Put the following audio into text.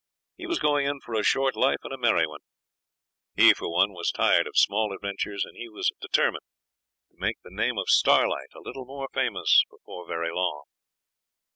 He was going in for a short life and a merry one. He, for one, was tired of small adventures, and he was determined to make the name of Starlight a little more famous before very long.